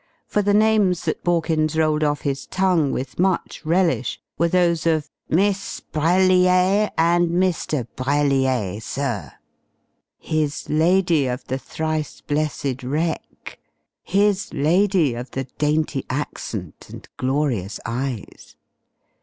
For the names that Borkins rolled off his tongue with much relish were those of "Miss Brellier and Mr. Brellier, sir." His lady of the thrice blessed wreck! His lady of the dainty accent and glorious eyes.